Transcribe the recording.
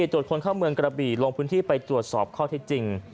ตรวจคนเข้าเมืองกระบี่ลงพื้นที่ไปตรวจสอบข้อที่จริง